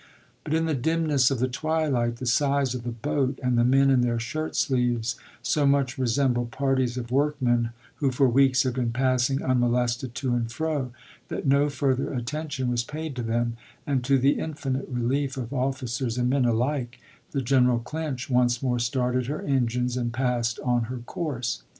But in the dimness of the twilight, the size of the boat, and the men in their shirt sleeves, so much resembled parties of workmen who for weeks had been passing unmo lested to and fro, that no further attention was paid to them, and, to the infinite relief of officers and men alike, the General Clinch once more started her engines and passed on her course.